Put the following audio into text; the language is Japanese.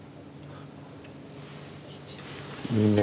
いいね